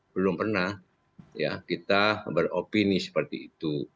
belum pernah ya kita beropini seperti itu